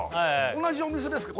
同じお店ですか？